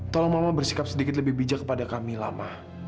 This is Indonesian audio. tolong mama bersikap sedikit lebih bijak kepada kamila ma